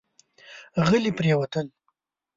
غلي پرېوتل.